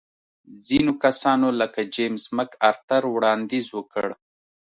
ځینو کسانو لکه جېمز مک ارتر وړاندیز وکړ.